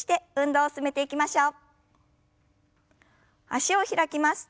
脚を開きます。